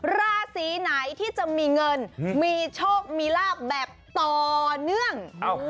ราศีไหนที่จะมีเงินมีโชคมีลาบแบบต่อเนื่อง